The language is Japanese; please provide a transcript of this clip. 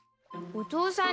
お父さん！